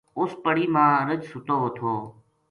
اُس پڑی ما رچھ سُتو وو تھو